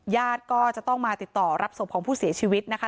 ญาติก็จะต้องมาติดต่อรับศพของผู้เสียชีวิตนะคะ